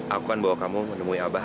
aku kan bawa kamu menemui abah